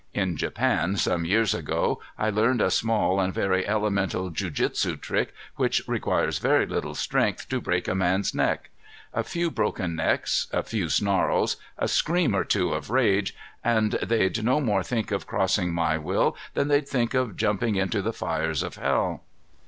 In Japan, some years ago, I learned a small and very elemental jujutsu trick which requires very little strength to break a man's neck. A few broken necks, a few snarls, a scream or so of rage, and they'd no more think of crossing my will than they'd think of jumping into the fires of hell."